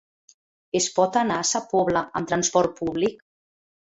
Es pot anar a Sa Pobla amb transport públic?